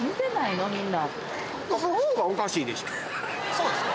そうですか？